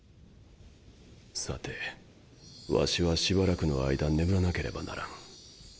さてワシはしばらくの間眠らなければならん。